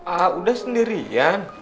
aa udah sendirian